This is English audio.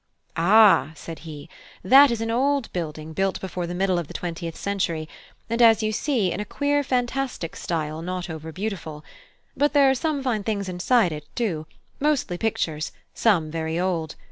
"Ah," he said, "that is an old building built before the middle of the twentieth century, and as you see, in a queer fantastic style not over beautiful; but there are some fine things inside it, too, mostly pictures, some very old.